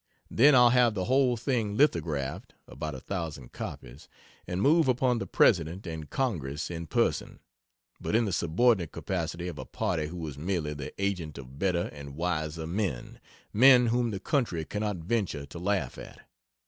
Then I'll have the whole thing lithographed (about a thousand copies) and move upon the President and Congress in person, but in the subordinate capacity of a party who is merely the agent of better and wiser men men whom the country cannot venture to laugh at.